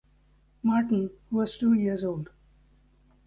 Martin, who was two years old.